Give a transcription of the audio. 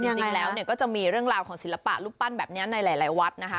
จริงแล้วเนี่ยก็จะมีเรื่องราวของศิลปะรูปปั้นแบบนี้ในหลายวัดนะคะ